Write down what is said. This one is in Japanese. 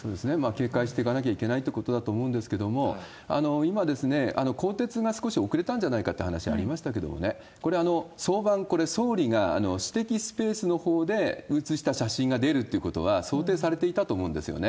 警戒していかなきゃいけないってことだと思うんですけれども、今、更迭が少し遅れたんじゃないかって話ありましたけれどもね、これ、早晩、総理が私的スペースのほうでした写真が出るってことは想定されていたと思うんですよね。